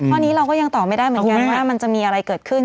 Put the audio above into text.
ข้อนี้เราก็ยังตอบไม่ได้เหมือนกันว่ามันจะมีอะไรเกิดขึ้น